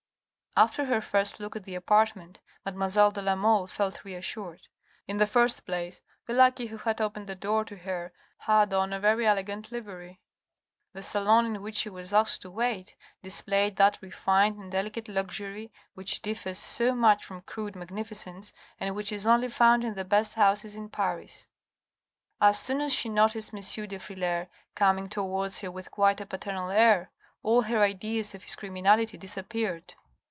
After her first look at the apartment, mademoiselle de la Mole felt reassured. In the first place, the lackey who had opened the door to her had on a very elegant livery. The salon in which she was asked to wait displayed that refined and 480 THE RED AND THE BLACK delicate luxury which differs so much from crude magnificence, and which is only found in the best houses in Paris. As soon as she noticed M. de Frilair coming towards her with quite a paternal air, all her ideas of his criminality disappeared.